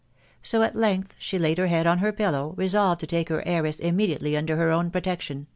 So at length she laid her head on her pillow, resolved to take her heiress immediately under her own protection